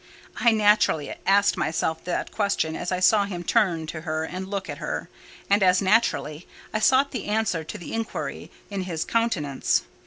I naturally asked myself that question as I saw him turn to her and look at her; and, as naturally, I sought the answer to the inquiry in his countenance.